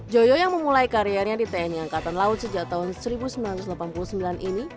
joyo yang memulai karirnya di tni angkatan laut sejak tahun seribu sembilan ratus delapan puluh sembilan ini